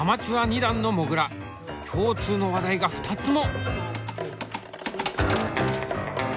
共通の話題が２つも！